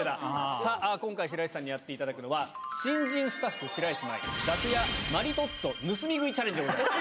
さあ、今回、白石さんにやっていただくのは、新人スタッフ、白石麻衣、楽屋マリトッツォ盗み食いチャレンジでございます。